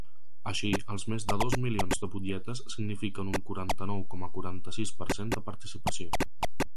Així, els més de dos milions de butlletes signifiquen un quaranta-nou coma quaranta-sis per cent de participació.